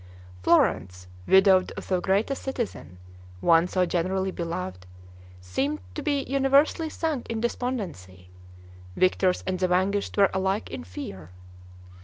Florence, widowed of so great a citizen, one so generally beloved, seemed to be universally sunk in despondency; victors and the vanquished were alike in fear.